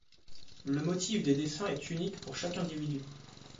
Le motif des dessins est unique pour chaque individu.